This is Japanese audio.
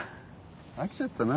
飽きちゃったな。